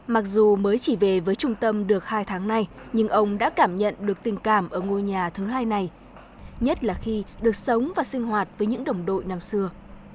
mặc dù mới chỉ về với trung tâm được hai tháng nay nhưng ông đã cảm nhận được tình cảm ở ngôi nhà thứ hai này nhất là khi được sống và sinh hoạt với những đồng đội năm xưa